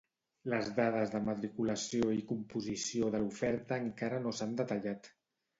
Les dades de matriculació i composició de l'oferta encara no s'han detallat.